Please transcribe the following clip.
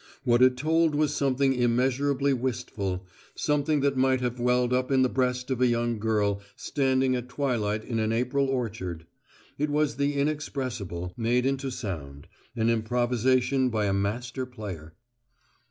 What it told was something immeasurably wistful, something that might have welled up in the breast of a young girl standing at twilight in an April orchard. It was the inexpressible made into sound, an improvisation by a master player.